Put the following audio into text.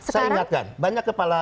saya ingatkan banyak kepala